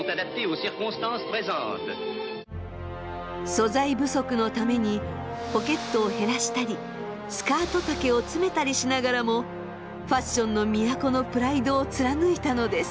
素材不足のためにポケットを減らしたりスカート丈を詰めたりしながらもファッションの都のプライドを貫いたのです。